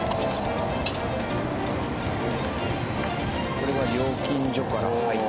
これは料金所から入って。